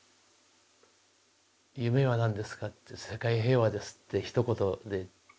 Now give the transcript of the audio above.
「夢は何ですか？」って「世界平和です」ってひと言で。